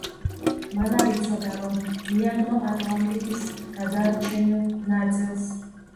მან არ იცოდა რომ მიაგნო ატლანტიდის გადარჩენილ ნაწილს.